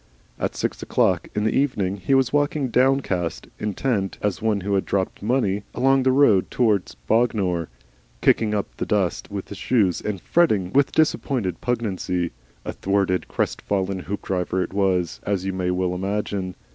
At six o'clock in the evening, he was walking downcast, intent, as one who had dropped money, along the road towards Bognor, kicking up the dust with his shoes and fretting with disappointed pugnacity. A thwarted, crestfallen Hoopdriver it was, as you may well imagine.